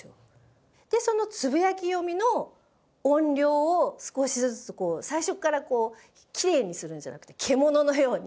でそのつぶやき読みの音量を少しずつこう最初からこうきれいにするんじゃなくて獣のように。